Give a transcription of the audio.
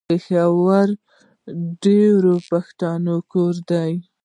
پېښور د ډېرو پښتنو کور ده.